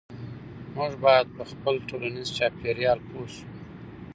موږ باید په خپل ټولنیز چاپیریال پوه سو.